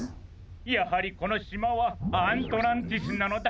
やはりこのしまはアントランティスなのだ！